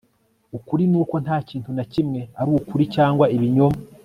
Ukuri nuko ntakintu na kimwe ari ukuri cyangwa ibinyoma